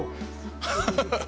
ハハハハ。